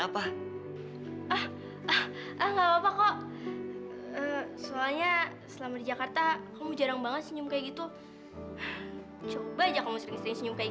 mbak sering melakukan pencurian di supermarket ini